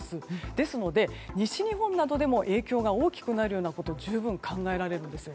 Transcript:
ですので、西日本などでも影響が大きくなるようなことが十分考えられるんです。